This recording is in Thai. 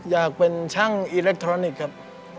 อยากเป็นช่างอิเล็กทรอนิกส์ครับ